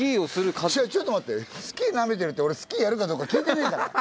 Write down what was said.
違うちょっと待ってスキーなめてるって俺スキーやるかどうか聞いてねえから。